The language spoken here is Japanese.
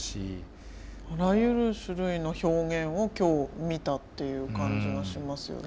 あらゆる種類の表現を今日見たっていう感じがしますよね